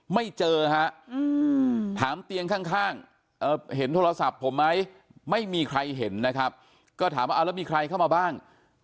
ไม่เจอฮะถามเตียงข้างเห็นโทรศัพท์ผมไหมไม่มีใครเห็นนะครับก็ถามว่าเอาแล้วมีใครเข้ามาบ้าง